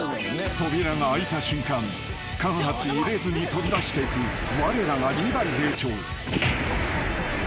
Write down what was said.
［扉が開いた瞬間間髪入れずに飛び出していくわれらがリヴァイ兵長］